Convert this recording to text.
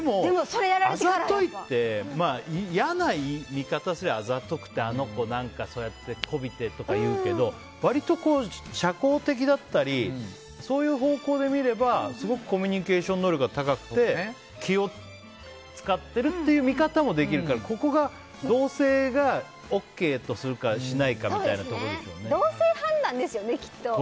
あざといって嫌な言い方をすればあざとくてあの子、そうやって媚びてとか言うけど割と社交的だったりそういう方向で見ればすごくコミュニケーション能力が高くて、気を使ってるっていう見方もできるからここが同性がＯＫとするか同性判断ですよね